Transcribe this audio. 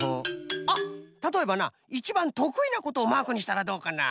あったとえばないちばんとくいなことをマークにしたらどうかな？